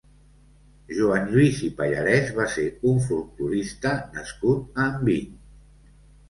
Joan Lluís i Pallarès va ser un folklorista nascut a Enviny.